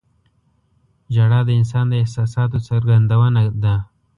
• ژړا د انسان د احساساتو څرګندونه ده.